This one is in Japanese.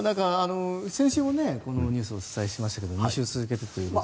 先週もこのニュースをお伝えしましたが２週続けてということで。